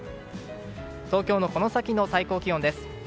東京のこの先の最高気温です。